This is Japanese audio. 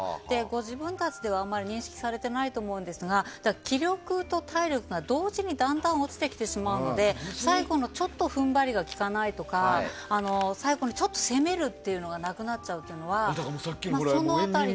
自分たちではあまり認識されていないと思うんですが気力と体力が同時に落ちてきてしまうので最後、ちょっと踏ん張りがきかないとか最後にちょっと攻めるっていうのがなくなっちゃうというのは。